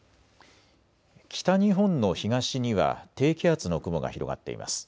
北日本の東には低気圧の雲が広がっています。